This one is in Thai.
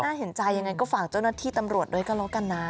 เห็นใจยังไงก็ฝากเจ้าหน้าที่ตำรวจด้วยก็แล้วกันนะ